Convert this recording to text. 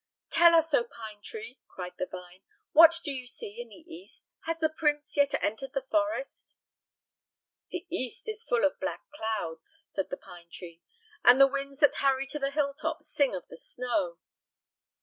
"Tell us, O pine tree," cried the vine, "what do you see in the east? Has the prince yet entered the forest?" "The east is full of black clouds," said the pine tree, "and the winds that hurry to the hill tops sing of the snow."